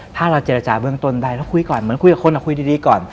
ถ้าเราเจรจาเบื้องต้นได้เราคุยก่อนเหมือนคุยกับคนคุยดีก่อน